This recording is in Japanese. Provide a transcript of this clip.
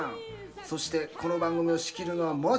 そしてこの番組を仕切るのはもちろんこいつ。